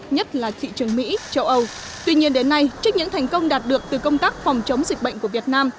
nhất là thị trường mỹ châu âu tuy nhiên đến nay trích những thành công đạt được từ công tác phòng chống dịch bệnh của việt nam